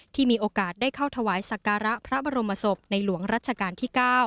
มีโอกาสได้เข้าถวายสักการะพระบรมศพในหลวงรัชกาลที่๙